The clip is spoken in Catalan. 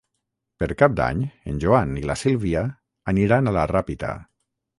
Per cap d'any en Joan i la Sílvia aniran a la Ràpita